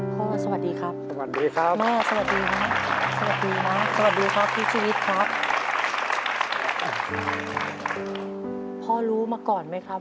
พ่อสวัสดีครับแม่สวัสดีนะครับสวัสดีครับสวัสดีครับพี่ชีวิตครับพ่อรู้มาก่อนไหมครับ